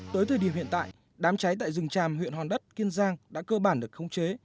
tới thời điểm hiện tại đám cháy tại rừng tràm huyện hòn đất kiên giang đã cơ bản được khống chế